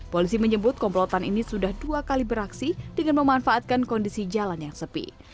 polisi menyebut komplotan ini sudah dua kali beraksi dengan memanfaatkan kondisi jalan yang sepi